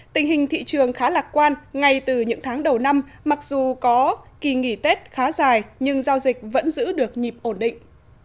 tình hình thị trường khá lạc quan ngay từ những tháng đầu năm mặc dù có kỳ nghỉ tết khá dài nhưng giao dịch vẫn giữ được nhịp ổn định